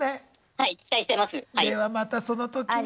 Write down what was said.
ではまたその時に。